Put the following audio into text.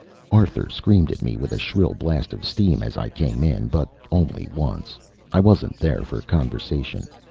Arthur screamed at me with a shrill blast of steam as I came in. But only once. I wasn't there for conversation.